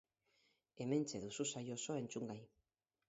Hementxe duzu saio osoa entzungai!